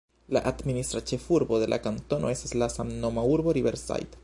La administra ĉefurbo de la kantono estas la samnoma urbo Riverside.